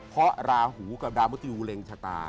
เพราะราหูกับดาวมุทยูเร็งชะตา